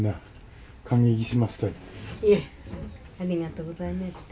いえありがとうございました。